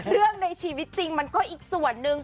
เรื่องในชีวิตจริงมันก็อีกส่วนหนึ่ง